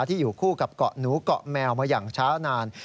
ที่อยู่คู่กับเกาะหนูเกาะแมวมาอย่างช้านาน